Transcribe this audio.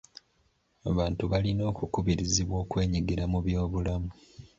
Abantu balina okukubirizibwa okwenyigira mu by'obulamu.